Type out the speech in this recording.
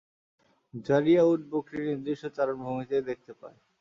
যারিয়া উট-বকরী নির্দিষ্ট চারণভূমিতেই দেখতে পায়।